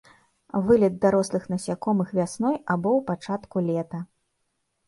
Вылет дарослых насякомых вясной або ў пачатку лета.